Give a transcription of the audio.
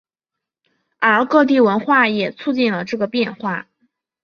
而各地文化也促进了这个变化。